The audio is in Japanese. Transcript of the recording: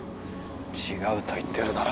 違うと言ってるだろ